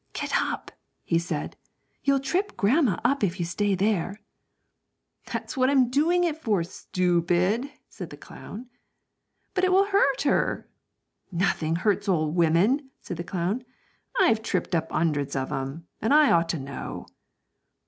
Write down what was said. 'Get up,' he said; 'you'll trip grandma up if you stay there.' 'That's what I'm doing it for, stoopid,' said the clown. 'But it will hurt her,' he cried. 'Nothing hurts old women,' said the clown; 'I've tripped up 'undreds of 'em, and I ought to know.'